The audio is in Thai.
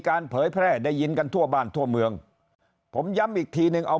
เผยแพร่ได้ยินกันทั่วบ้านทั่วเมืองผมย้ำอีกทีนึงเอา